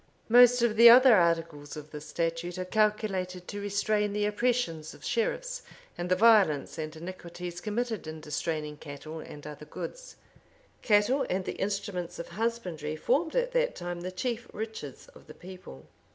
Most of the other articles of this statute are calculated to restrain the oppressions of sheriffs, and the violence and iniquities committed in distraining cattle and other goods. Cattle and the instruments of husbandry formed at that time the chief riches of the people.